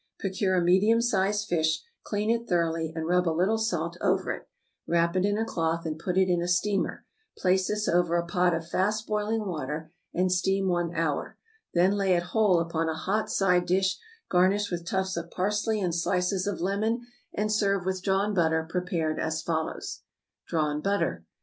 Procure a medium sized fish, clean it thoroughly, and rub a little salt over it; wrap it in a cloth, and put it in a steamer; place this over a pot of fast boiling water, and steam one hour; then lay it whole upon a hot side dish, garnish with tufts of parsley and slices of lemon, and serve with drawn butter prepared as follows: =Drawn Butter.